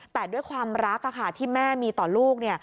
แต่ด้วยความรักที่แม่มีต่อลูก